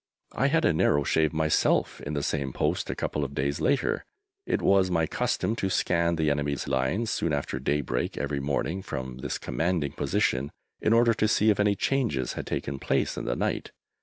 I had a narrow shave myself in this same post a couple of days later. It was my custom to scan the enemy's lines soon after daybreak every morning from this commanding position in order to see if any changes had taken place in the night.